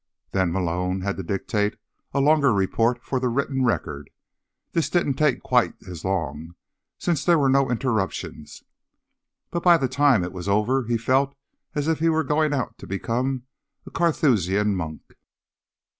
Then Malone had to dictate a longer report for the written record. This didn't take quite as long, since there were no interruptions, but by the time it was over he felt as if he were going out to become a Carthusian monk.